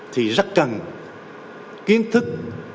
thì rất cần kiến thức